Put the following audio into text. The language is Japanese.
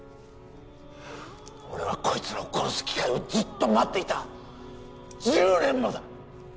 俺はこいつらを殺す機会をずっと待っていた１０年もだ！